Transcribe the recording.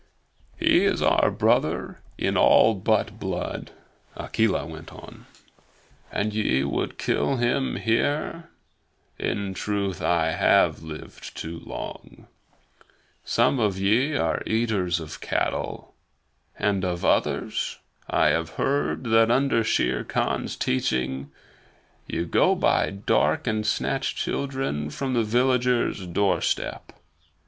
"He is our brother in all but blood," Akela went on, "and ye would kill him here! In truth, I have lived too long. Some of ye are eaters of cattle, and of others I have heard that, under Shere Khan's teaching, ye go by dark night and snatch children from the villager's doorstep.